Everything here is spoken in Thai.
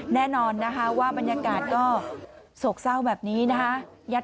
แน่นอนนะคะว่าบรรยากาศก็โศกเศร้าแบบนี้นะคะ